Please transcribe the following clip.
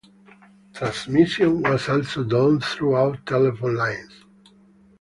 Transmission was also done through telephone lines.